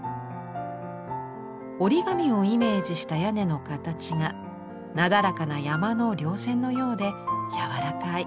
折り紙をイメージした屋根の形がなだらかな山の稜線のようでやわらかい。